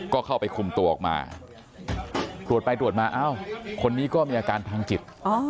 ก็เข้าไปคุมตัวออกมาตรวจไปตรวจมาเอ้าคนนี้ก็มีอาการทางจิต